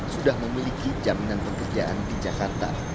sudah memiliki jaminan pekerjaan di jakarta